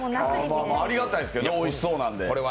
ありがたいですけどねおいしそうなんで。